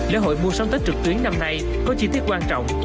lễ hội mua sắm tết trực tuyến năm nay có chi tiết quan trọng